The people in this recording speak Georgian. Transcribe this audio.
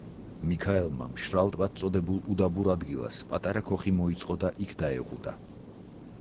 მიქაელმა მშრალ ტბად წოდებულ უდაბურ ადგილას პატარა ქოხი მოიწყო და იქ დაეყუდა.